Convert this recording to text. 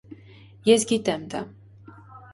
Ես գիտեմ դա։